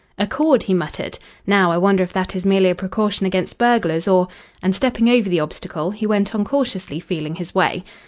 "A cord," he muttered. "Now I wonder if that is merely a precaution against burglars or " and, stepping over the obstacle, he went on cautiously feeling his way.